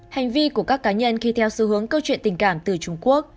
hành vi của các cá nhân khi theo xu hướng câu chuyện tình cảm từ trung quốc